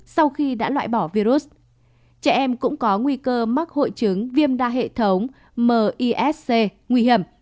sau khi đã loại bỏ virus trẻ em cũng có nguy cơ mắc hội chứng viêm đa hệ thống misc nguy hiểm